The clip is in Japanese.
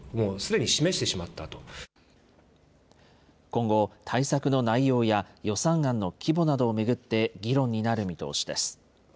今後、対策の内容や予算案の規模などを巡って議論になる見通しです。